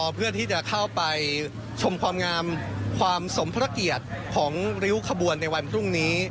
เพื่อที่จะเข้าไปชมความงามความสมพระเกียรติของริ้วขบวนในวันพรุ่งนี้